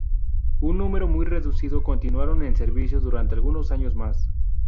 Un número muy reducido continuaron en servicio durante algunos años más.